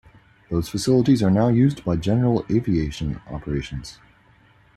Those facilities are now used by general aviation operations.